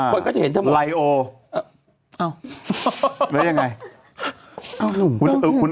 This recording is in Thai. คนก็จะเห็นเธอหมดไลโออ้าวแล้วยังไงอ้าวนุ่ม